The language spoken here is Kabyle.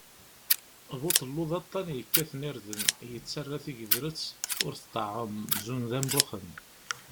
Buḍellu d aṭṭan yekkaten irden, yettarra tiyedret ur tḍeɛɛem, zun d ambuxen.